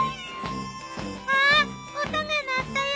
あっ音が鳴ったよ！